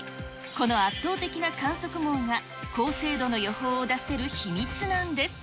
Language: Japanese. この圧倒的な観測網が高精度の予想を出せる秘密なんです。